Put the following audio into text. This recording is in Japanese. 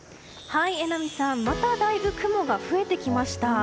まただいぶ雲が増えてきました。